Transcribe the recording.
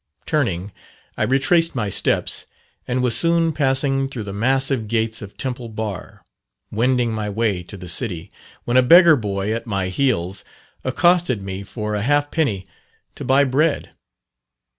Turning, I retraced my steps, and was soon passing through the massive gates of Temple Bar, wending my way to the city, when a beggar boy at my heels accosted me for a half penny to buy bread.